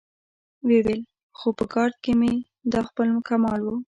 ويې ويل: خو په ګارد کې مې دا خپل کمال و.